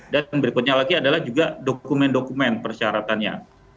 dan berikutnya lagi adalah juga dokumen dokumen persyaratannya